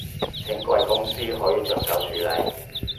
請貴公司可以着手處理